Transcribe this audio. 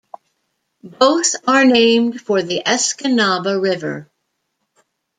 Both are named for the Escanaba River.